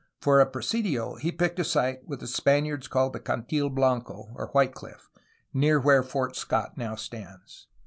For a presidio he picked a site which the Span iards called the Cantil Blanco (White Cliff), near where Fort Scott now stands.